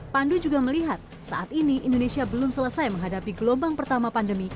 pandu juga melihat saat ini indonesia belum selesai menghadapi gelombang pertama pandemi